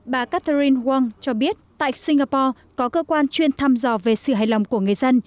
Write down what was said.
bà catherine wang cho biết tại singapore có cơ quan chuyên thăm dò về sự hài lòng của người dân